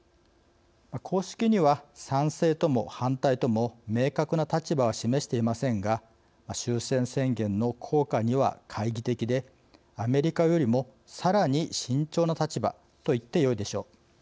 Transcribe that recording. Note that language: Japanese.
公式には賛成とも反対とも明確な立場は示していませんが終戦宣言の効果には懐疑的でアメリカよりもさらに慎重な立場といってよいでしょう。